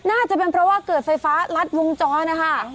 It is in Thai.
น่าจะเป็นเพราะว่าเกิดไฟฟ้ารัดวงจรนะคะ